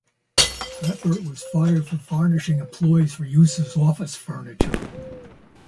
Ratbert was fired for varnishing employees for use as office furniture.